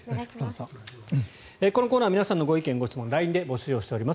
このコーナー皆さんのご意見・ご質問をＬＩＮＥで募集しています。